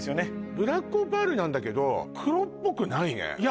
ブラックオパールなんだけど黒っぽくないねいや